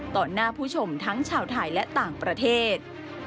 หน้าผู้ชมทั้งชาวไทยและต่างประเทศ